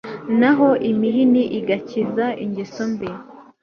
naho imihini igakiza ingeso mbi